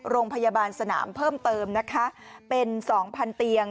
โรงพยาบาลสนามเพิ่มเติมนะคะเป็น๒๐๐เตียง